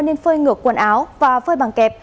nên phơi ngược quần áo và phơi bằng kẹp